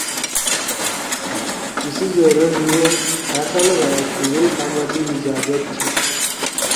کِسی ضرورت ہی یو تھأ خلقغائے شوگیل تھاما سی اجازت چھی۔